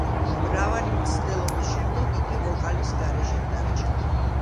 მრავალი მცდელობის შემდეგ იგი ვოკალის გარეშე დარჩა.